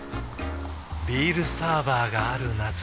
ビールサーバーがある夏。